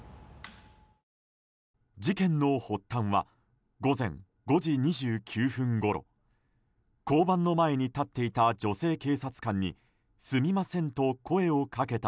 事件の発端は午前５時２９分ごろ交番の前に立っていた女性警察官にすみませんと声をかけた